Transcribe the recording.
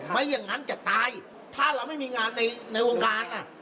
ไม่อย่างนั้นจะตายถ้าเราไม่มีงานในวงการ